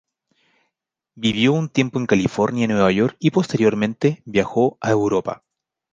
Vivió un tiempo en California y Nueva York y posteriormente viajó a Europa.